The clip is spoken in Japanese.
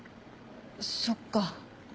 そっか。